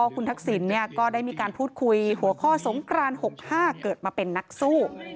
คุณทักษิณก็ได้มีการพูดคุยหัวข้อสงกราน๖๕เกิดมาเป็นนักสู้